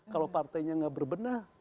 kalau partainya tidak berbenah